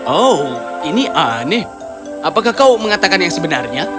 oh ini aneh apakah kau mengatakan yang sebenarnya